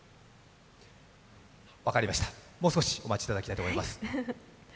分かりました、もう少しお待ちいただきたいと思います。